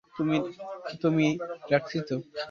তুমি-- - রাখছি তো!